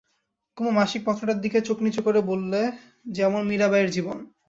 কুমু মাসিক পত্রটার দিকে চোখ নিচু করে বললে, যেমন মীরাবাইএর জীবন।